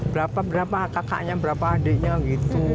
berapa berapa kakaknya berapa adiknya gitu